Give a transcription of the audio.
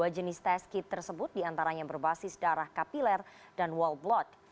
dua jenis test kit tersebut diantaranya berbasis darah kapiler dan wall blood